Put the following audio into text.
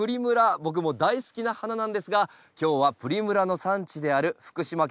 僕も大好きな花なんですが今日はプリムラの産地である福島県